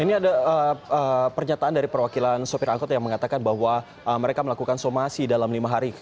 ini ada pernyataan dari perwakilan sopir angkot yang mengatakan bahwa mereka melakukan somasi dalam lima hari